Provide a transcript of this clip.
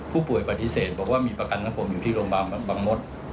ผู้ป่วยปฏิเสธบอกว่ามีประกันของผมอยู่ที่โรงพยาบาลบางมศ